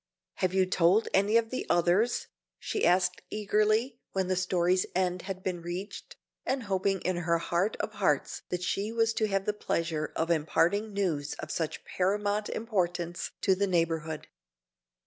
"Have you told any of the others?" she asked eagerly, when the story's end had been reached, and hoping in her heart of hearts that she was to have the pleasure of imparting news of such paramount importance to the neighborhood.